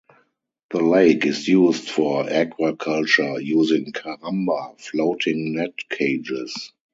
The lake is used for aquaculture, using "karamba" floating net cages.